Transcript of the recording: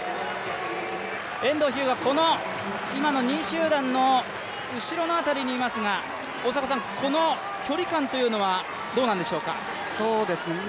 遠藤日向、この今の２位集団の後ろの辺りにいますが、この距離感というのはどうなんでしょうか。